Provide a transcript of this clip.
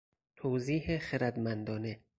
توضیح خردمندانه